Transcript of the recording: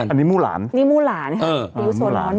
อันนี้มู้หลานนี่มู้หลานมู้หลาน